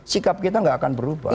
sikap kita tidak akan berubah